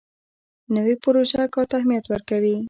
نوې پروژه کار ته اهمیت ورکوي